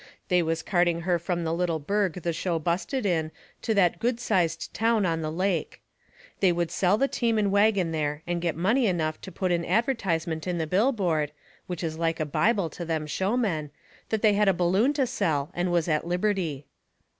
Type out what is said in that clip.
They was carting her from the little burg the show busted in to that good sized town on the lake. They would sell the team and wagon there and get money enough to put an advertisement in the Billboard, which is like a Bible to them showmen, that they had a balloon to sell and was at liberty.